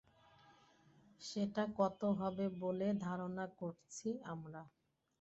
সেটা কত হবে বলে ধারণা করছি আমরা?